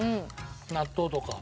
納豆とか。